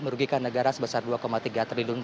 merugikan negara sebesar dua tiga triliun